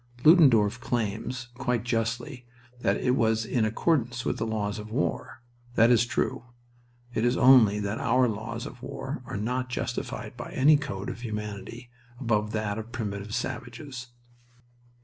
Ludendorff claims, quite justly, that it was in accordance with the laws of war. That is true. It is only that our laws of war are not justified by any code of humanity above that of primitive savages.